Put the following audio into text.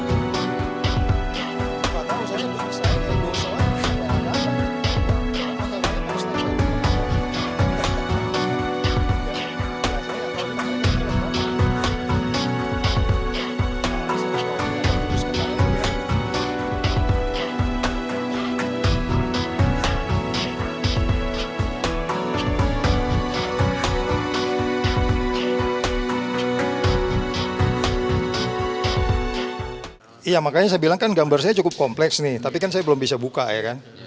iya makanya saya bilang kan gambar saya cukup kompleks nih tapi kan saya belum bisa buka ya kan